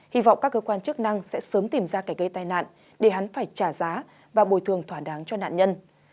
hy vọng các cơ quan chức năng sẽ sớm tìm ra kẻ gây tai nạn để hắn phải trả giá và bồi thường thỏa đáng cho nạn nhân